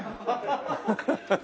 ハハハハハ。